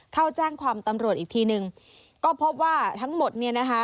เข้าแจ้งความตำรวจอีกทีนึงก็พบว่าทั้งหมดเนี่ยนะคะ